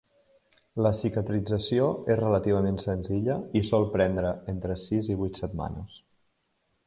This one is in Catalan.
La cicatrització és relativament senzilla i sol prendre entre sis i vuit setmanes.